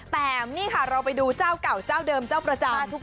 แต่นี่ค่ะเราไปดูเจ้าเก่าเจ้าเดิมเจ้าประจำ